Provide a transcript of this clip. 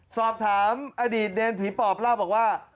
สอบถามอดีตเนรผีปอบเล่าบอกว่า